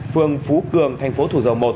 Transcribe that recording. phường phú cường thành phố thủ dầu một